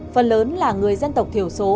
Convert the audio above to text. phần lớn là người dân tộc thiểu số